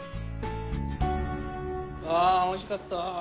あおいしかった。